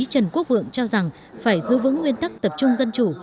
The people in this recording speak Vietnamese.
trần quốc vượng cho rằng phải giữ vững nguyên tắc tập trung dân chủ